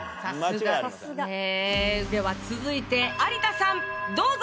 では続いて有田さんどうぞ！